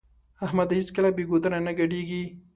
احمد هيڅکله بې ګودره نه ګډېږي.